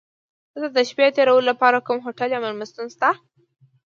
دلته د شپې تېرولو لپاره کوم هوټل یا میلمستون شته؟